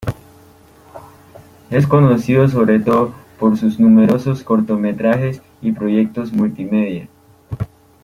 Es conocido sobre todo por sus numerosos cortometrajes y proyectos multimedia.